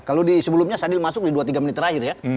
kalau di sebelumnya sadil masuk di dua tiga menit terakhir ya